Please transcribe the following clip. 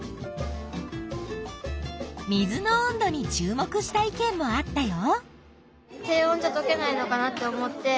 水の温度に注目した意見もあったよ。